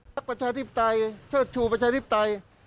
ประชาธิปไตยเชิดชูประชาธิปไตย